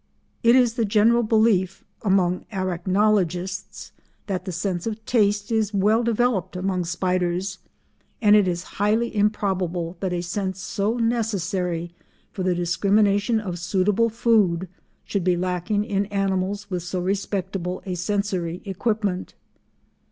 It is the general belief among arachnologists that the sense of taste is well developed among spiders, and it is highly improbable that a sense so necessary for the discrimination of suitable food should be lacking in animals with so respectable a sensory equipment.